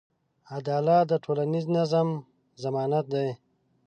عدالت د ټولنیز نظم ضمانت دی.